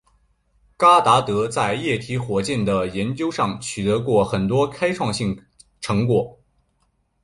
戈达德在液体火箭的研究上取得过很多开创性成果。